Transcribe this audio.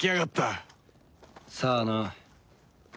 さあな。